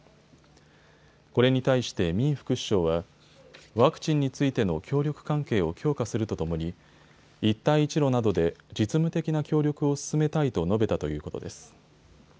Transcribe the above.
これに対してミン副首相はワクチンについての協力関係を強化するとともに一帯一路などで実務的な協力を進めたいと述べたということです。